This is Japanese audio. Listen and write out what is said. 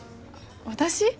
私？